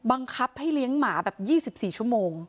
บังคับให้เลี้ยงหมาแบบ๒๔ชั่วโมง